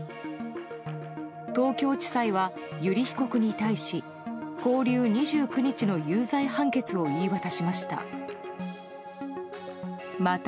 東京地裁は、油利被告に対し拘留２９日の有罪判決を言い渡しました。